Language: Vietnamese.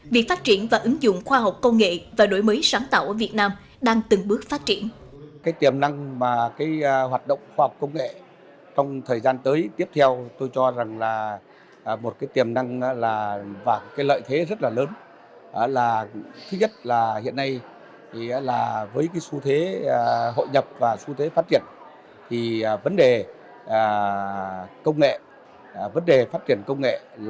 việc phát triển và ứng dụng khoa học công nghệ và đổi mới sáng tạo ở việt nam đang từng bước phát triển